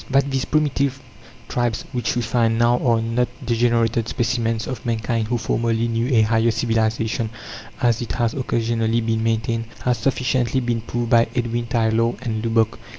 That these primitive tribes which we find now are not degenerated specimens of mankind who formerly knew a higher civilization, as it has occasionally been maintained, has sufficiently been proved by Edwin Tylor and Lubbock.